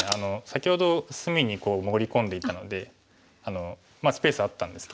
先ほど隅に潜り込んでいったのでスペースあったんです